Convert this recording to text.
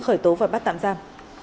khởi tố và bắt tạm giam